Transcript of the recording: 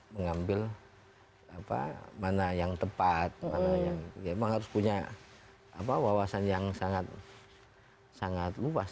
mengambil mana yang tepat mana yang memang harus punya wawasan yang sangat luas